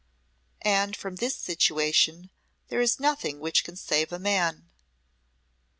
And from this situation there is nothing which can save a man.